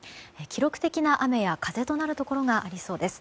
記録的な雨や風となるところがありそうです。